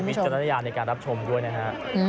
จารณญาณในการรับชมด้วยนะฮะ